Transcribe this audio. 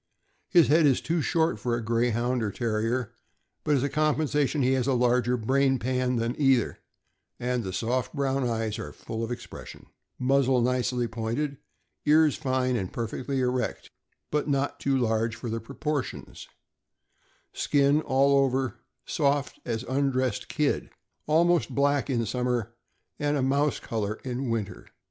His head is too short for a Greyhound or Terrier, but as a compensation he has a larger brain pan than either, and the soft brown eyes are full of expression; muzzle nicely pointed; ears fine and perfectly erect, but not too large for the proportions; skin, all over, soft as undressed kid, almost black in summer, and a mouse col or in winter.